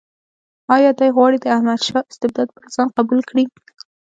آیا دی غواړي د احمدشاه استبداد پر ځان قبول کړي.